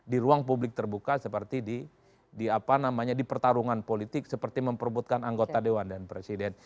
di ruang publik terbuka seperti di pertarungan politik seperti memperbutkan anggota dewan dan presiden